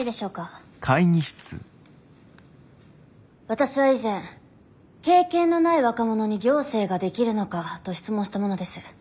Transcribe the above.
私は以前「経験のない若者に行政ができるのか」と質問した者です。